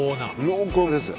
濃厚ですよ。